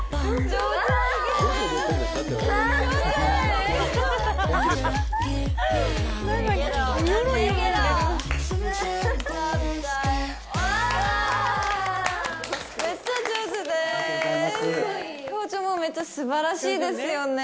表情もめっちゃすばらしいですよね。